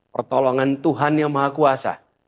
pertolongan tuhan yang maha kuasa